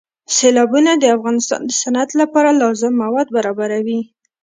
سیلابونه د افغانستان د صنعت لپاره لازم مواد برابروي.